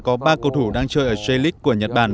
có ba cầu thủ đang chơi ở j league của nhật bản